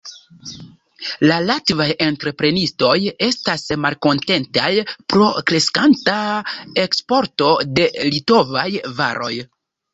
La latvaj entreprenistoj estas malkontentaj pro kreskanta eksporto de litovaj varoj.